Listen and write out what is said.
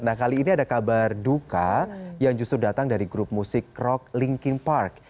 nah kali ini ada kabar duka yang justru datang dari grup musik rock linkin park